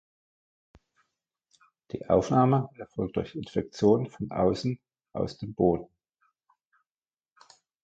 Die Aufnahme erfolgt durch Infektion von außen, aus dem Boden.